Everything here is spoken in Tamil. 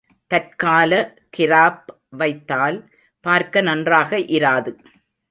தற்கால கிராப் வைத்தால் பார்க்க நன்றாக இராது.